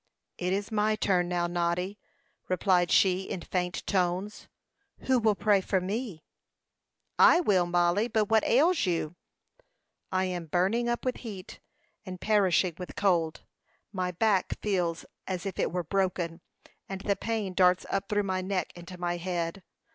"It is my turn now, Noddy," replied she, in faint tones. "Who will pray for me?" "I will, Mollie; but what ails you?" "I am burning up with heat, and perishing with cold. My back feels as if it was broken, and the pain darts up through my neck into my head.